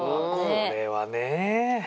これはねえ。